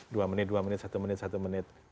dua menit dua menit satu menit satu menit